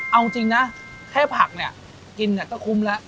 เอาจริงนะแค่ผักเนี่ยกินก็คุ้มแล้ว